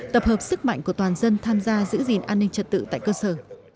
tập hợp sức mạnh của toàn dân tham gia giữ gìn an ninh trật tự tại cơ sở